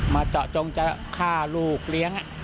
เจาะจงจะฆ่าลูกเลี้ยง